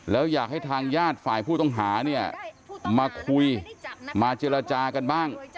แล้วอยากให้ทางญาติฝ่ายผู้ต้องหาเนี่ยมาคุยมาเจรจากันบ้าง